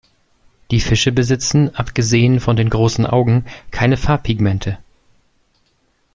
Die Fische besitzen, abgesehen von den großen Augen, keine Farbpigmente.